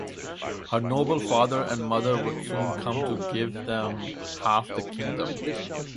Her noble father and mother would soon come to give them half the kingdom.